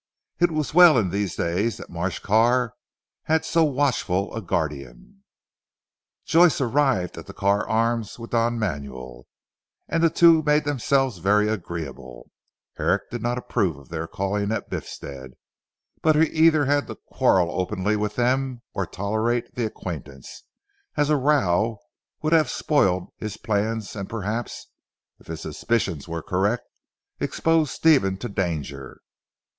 It was well in these days, that Marsh Carr had so watchful a guardian. Joyce arrived at the Carr Arms with Don Manuel, and the two made themselves very agreeable, Herrick did not approve of their calling at Biffstead, but he either had to quarrel openly with them, or tolerate the acquaintance, as a row would have spoilt his plans and perhaps (if his suspicions were correct) exposed Stephen to danger.